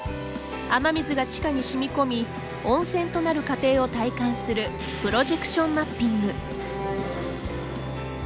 雨水が地下にしみこみ温泉となる過程を体感するプロジェクションマッピング。